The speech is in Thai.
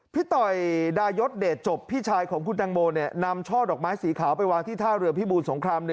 ต่อยดายศเดชจบพี่ชายของคุณตังโมนำช่อดอกไม้สีขาวไปวางที่ท่าเรือพิบูรสงคราม๑